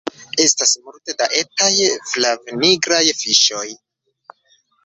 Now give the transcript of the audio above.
Estas multe da etaj flavnigraj fiŝoj